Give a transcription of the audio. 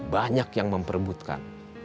banyak yang memperebutkan